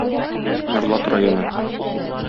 Норлат районы